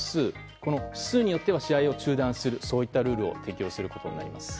この指数によっては試合を中断するそういったルールを適用することになります。